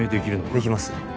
できます